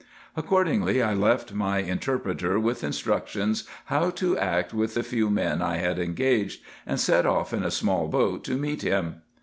Accordingly, I left my inter preter, with instructions how to act with the few men I had engaged, and set off in a small boat to meet him.